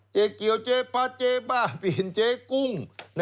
เจ๊เกียวเจ๊พาเจ๊บ้าปีนเจ๊กุ้ง